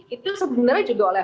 itu sebenarnya juga oleh